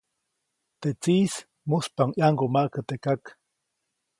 Teʼ tsiʼis muspaʼuŋ ʼyaŋgumaʼkä teʼ kak.